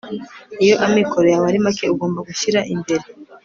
Iyo amikoro yawe ari make ugomba gushyira imbere